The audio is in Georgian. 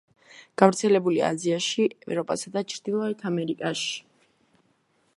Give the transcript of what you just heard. გავრცელებულია აზიაში, ევროპასა და ჩრდილოეთ ამერიკაში.